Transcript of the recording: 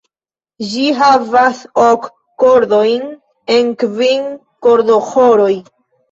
Ĝi havas ok kordojn en kvin kordoĥoroj.